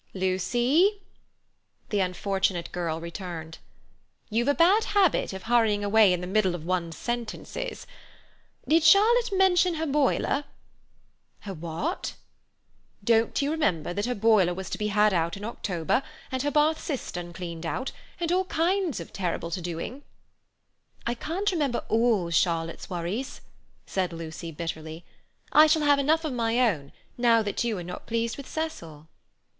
"Lucy!" The unfortunate girl returned. "You've a bad habit of hurrying away in the middle of one's sentences. Did Charlotte mention her boiler?" "Her what?" "Don't you remember that her boiler was to be had out in October, and her bath cistern cleaned out, and all kinds of terrible to doings?" "I can't remember all Charlotte's worries," said Lucy bitterly. "I shall have enough of my own, now that you are not pleased with Cecil."